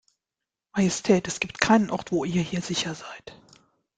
Majestät, es gibt keinen Ort, wo ihr hier sicher seid.